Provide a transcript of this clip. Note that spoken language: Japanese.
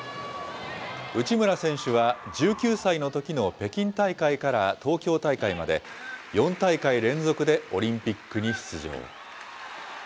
内村選手は１９歳のときの北京大会から東京大会まで、４大会連続でオリンピックに出場。